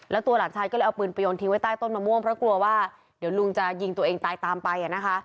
แล้วตัวหลานชายก็เลยเอาปืนไปโยนทิ้งไว้ใต้ต้นมะม่วงเพราะกลัวว่าเดี๋ยวลุงจะยิงตัวเองตายตามไปนะคะ